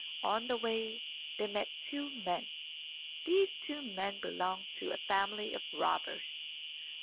On the way they met two men. These two men belonged to a family of robbers.